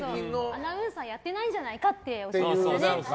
アナウンサーやってないんじゃないかっておっしゃってました。